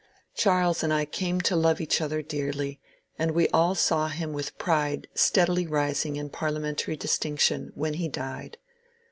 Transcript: Charles and I came to love each other dearly, and we idl saw him with pride steadUy rising in parliamentary distinction, when he died.